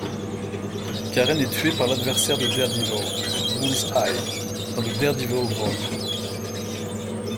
Karen est tuée par l'adversaire de Daredevil, Bullseye, dans le Daredevil vol.